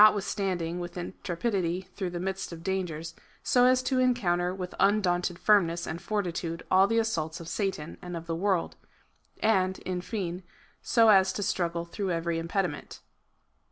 withstanding, with intrepidity through the midst of dangers, so as to encounter with undaunted firmness and fortitude all the assaults of Satan and of the world ; and, in fine, so as to struggle through every impediment.